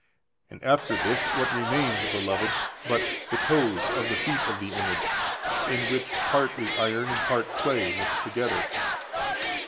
And after this, what remains, beloved, but the toes of the feet of the image, in which part is iron and part clay, mixed together?